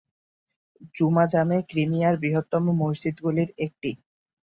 জুমা-জামে ক্রিমিয়ার বৃহত্তম মসজিদগুলির একটি।